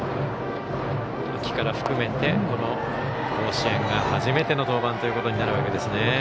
秋から含めて、この甲子園が初めての登板ということになるわけですね。